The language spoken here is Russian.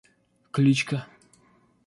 Кличка